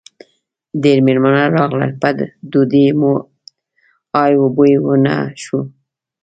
ډېر مېلمانه راغلل؛ په ډوډۍ مو ای و بوی و نه شو.